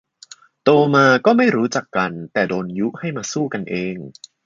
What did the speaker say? โตมาก็ไม่รู้จักกัน แต่โดนยุให้มาสู้กันเอง